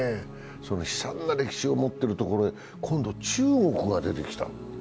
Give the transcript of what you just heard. その悲惨な歴史がもっているところで今度は中国が出てきた。